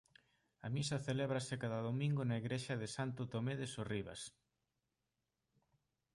A misa celebrábase cada domingo na igrexa de Santo Tomé de Sorribas.